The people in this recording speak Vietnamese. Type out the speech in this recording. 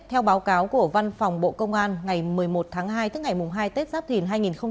theo báo cáo của văn phòng bộ công an ngày một mươi một tháng hai tức ngày hai tết giáp thìn hai nghìn hai mươi bốn